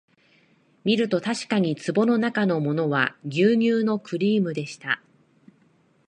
みるとたしかに壺のなかのものは牛乳のクリームでした